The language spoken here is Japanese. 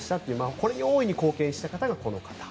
これに大いに貢献したのがこの方。